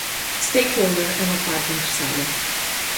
Stakeholder é uma parte interessada.